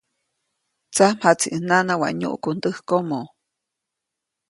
Tsamjaʼtsi nana waʼa nyuʼku ndäkomoʼ.